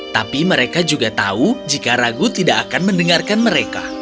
tapi mereka juga tahu jika ragu tidak akan mendengarkan mereka